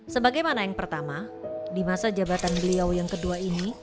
sebagaimana yang pertama di masa jabatan beliau yang kedua ini